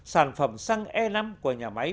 sản phẩm xăng e năm của nhà máy